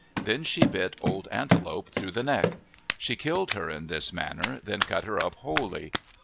Then she bit Old Antelope through the neck. She killed her in this manner, then cut her up wholly.